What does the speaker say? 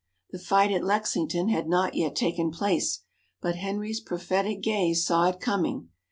The fight at Lexington had not yet taken place, but Henry's prophetic gaze saw it coming.